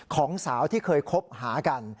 ของสาวที่เคยคบหากัน